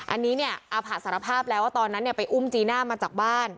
อันนี้เนี่ยอาผะสารภาพแล้วว่าตอนนั้นเนี่ยไปอุ้มจีน่ามาจากบ้าน